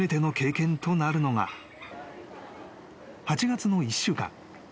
［８月の１週間］